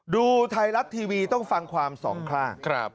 ดูไทยรัฐทีวีต้องฟังความสองข้าง